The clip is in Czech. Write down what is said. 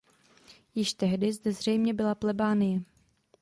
Již tehdy zde zřejmě byla plebánie.